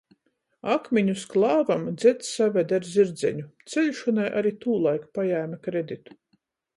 Akmiņus klāvam dzeds savede ar zirdzeņu, ceļšonai ari tūlaik pajēme kreditu.